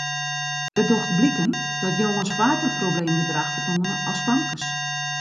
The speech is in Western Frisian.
It docht bliken dat jonges faker probleemgedrach fertoane as famkes.